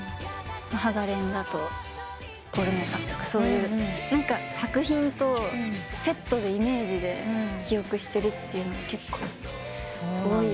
『ハガレン』だとポルノさんとかそういう作品とセットでイメージで記憶してるというのが結構多い。